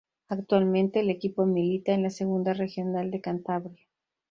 Actualmente el equipo milita en la Segunda Regional de Cantabria.